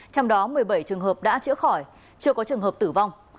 trong đó một mươi bảy trường hợp đã chữa khỏi chưa có trường hợp tử vong